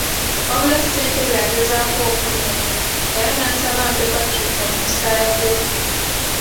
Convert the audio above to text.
Wabula Ssentebe yagezaako okungumya era n'ansaba mpe Patrick omukisa ayogere.